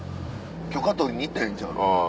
許可取りに行ったらええんちゃう？